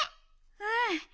うん。